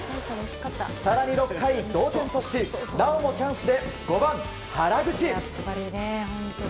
更に６回、同点としなおもチャンスで５番、原口。